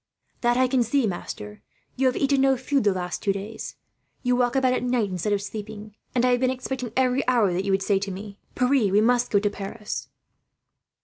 "That I can see, master. You have eaten no food the last two days. You walk about at night, instead of sleeping; and I have been expecting, every hour, that you would say to me, 'Pierre, we must go to Paris.'"